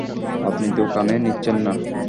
আপনি তো কানেই নিচ্ছেন না।